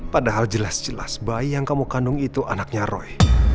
padahal jelas jelas bayi yang kamu kandung itu anaknya roy